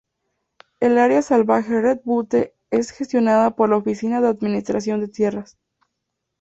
El área salvaje Red Butte es gestionada por la Oficina de Administración de Tierras.